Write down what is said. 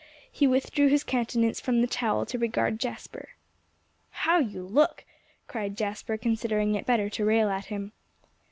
He withdrew his countenance from the towel to regard Jasper. "How you look!" cried Jasper, considering it better to rail at him.